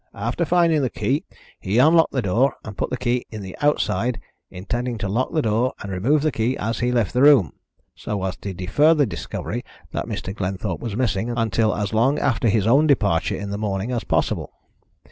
After finding the key he unlocked the door, and put the key in the outside, intending to lock the door and remove the key as he left the room, so as to defer the discovery that Mr. Glenthorpe was missing until as long after his own departure in the morning as possible.